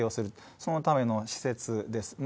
そのための施設です。